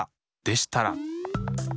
でしたら！